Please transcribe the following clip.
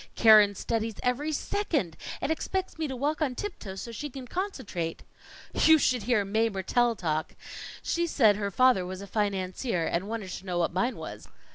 "Keren studies every second; and expects me to walk on tiptoe so she can concentrate." "You should hear Mae Mertelle talk! She said her father was a financier, and wanted to know what mine was.